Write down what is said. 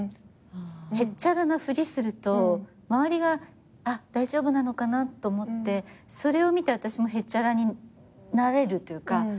へっちゃらなふりすると周りがあっ大丈夫なのかなと思ってそれを見て私もへっちゃらになれるというか。